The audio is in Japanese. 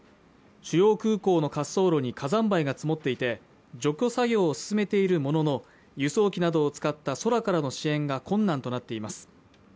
主要空港の滑走路に火山灰が積もっていて除去作業を進めているものの輸送機などを使った空からの支援が困難となっています